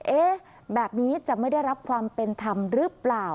เอ๊ะแบบนี้จะไม่ได้รับความเป็นธรรมหรือเปล่า